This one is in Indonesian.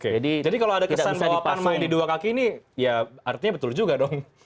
jadi kalau ada kesan bahwa pan main di dua kaki ini ya artinya betul juga dong